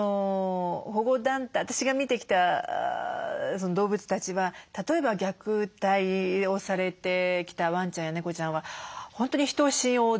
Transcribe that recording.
ただ私が見てきた動物たちは例えば虐待をされてきたワンちゃんや猫ちゃんは本当に人を信用できない。